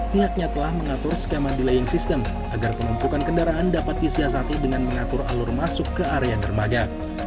pihaknya telah mengatur skema delaying system agar penumpukan kendaraan dapat disiasati dengan mengatur alur masuk ke area dermaga